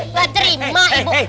nggak terima ibu